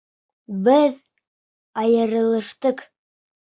Беҙ... айырылыштыҡ!